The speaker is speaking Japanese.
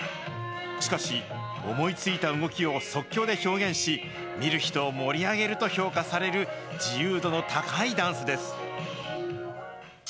しかし、思いついた動きを即興で表現し、見る人を盛り上げると評価される自由度の高いダンスです。